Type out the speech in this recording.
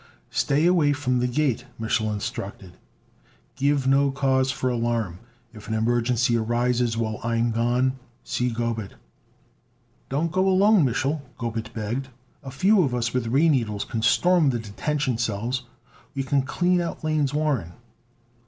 "Stay away from the Gate," Mich'l instructed. "Give no cause for alarm. If an emergency arises while I'm gone, see Gobet." "Don't go alone, Mich'l," Gobet begged. "A few of us with ray needles can storm the detention cells. We can clean out Lane's warren."